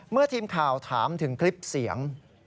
เมื่อทีมข่าวถามถึงคลิปเสียง